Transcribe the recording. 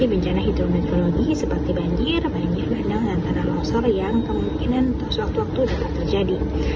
badan meteorologi klimatologi dan geofisika memprediksi cuaca di wilayah jabodetabek pada tiga hari ke depan